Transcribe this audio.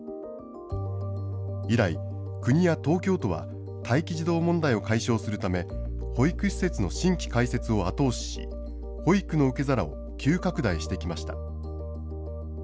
以来、国や東京都は待機児童問題を解消するため、保育施設の新規開設を後押しし、保育の受け皿を急拡大してきました。